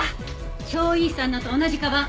張怡さんのと同じかばん。